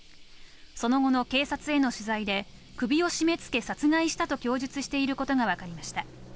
その後の警察への取材で、首を絞めつけ殺害したと供述していることがわかりました。